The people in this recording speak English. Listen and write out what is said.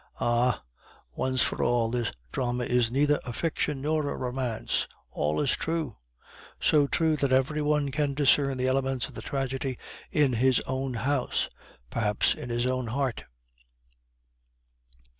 Ah! once for all, this drama is neither a fiction nor a romance! All is true, so true, that every one can discern the elements of the tragedy in his own house, perhaps in his own heart.